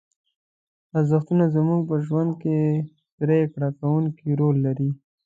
ارزښتونه زموږ په ژوند کې پرېکړه کوونکی رول لري.